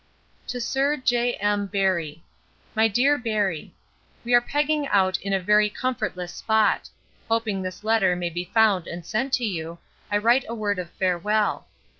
TO SIR J. M. BARRIE MY DEAR BARRIE, We are pegging out in a very comfortless spot. Hoping this letter may be found and sent to you, I write a word of farewell.